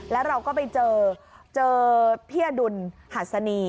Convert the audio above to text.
แล้วเราก็ไปเจอเจอพี่อดุลหัสนี